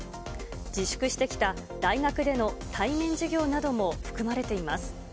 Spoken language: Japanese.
自粛してきた大学での対面授業なども含まれています。